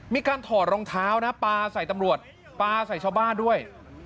ถอดรองเท้านะปลาใส่ตำรวจปลาใส่ชาวบ้านด้วย